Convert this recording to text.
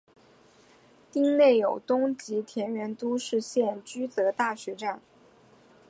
町内有东急田园都市线驹泽大学站。